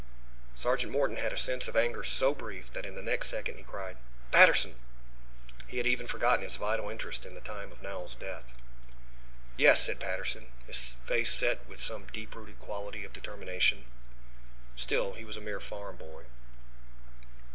Sergeant Morton had a sense of anger so brief that in the next second he cried: "Patterson!" He had even forgotten his vital interest in the time of Knowles' death. "Yes?" said Patterson, his face set with some deep rooted quality of determination. Still, he was a mere farm boy.